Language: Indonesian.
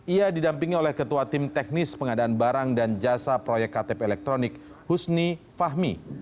ia didampingi oleh ketua tim teknis pengadaan barang dan jasa proyek ktp elektronik husni fahmi